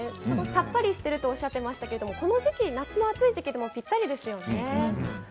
さっぱりしているとおっしゃってましたけどこの時期、夏の暑い時期にもぴったりですよね。